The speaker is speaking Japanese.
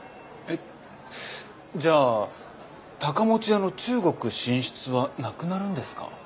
えっじゃあ高持屋の中国進出はなくなるんですか？